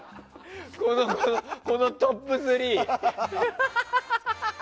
このトップ３。